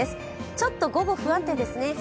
ちょっと午後、不安定ですね。